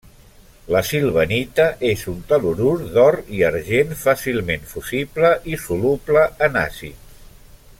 La silvanita és un tel·lurur d'or i argent, fàcilment fusible i soluble en àcids.